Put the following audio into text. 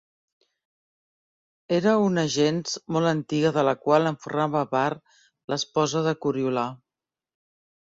Era una gens molt antiga de la qual en formava part l'esposa de Coriolà.